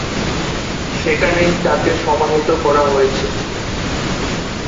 সেখানেই তাকে সমাহিত করা হয়েছে।